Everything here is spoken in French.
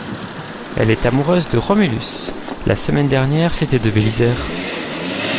Elle est amoureuse de Romulus !… la semaine dernière c’était de Bélisaire !